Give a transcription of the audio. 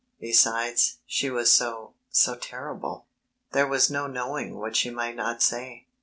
Besides, she was so so terrible; there was no knowing what she might not say.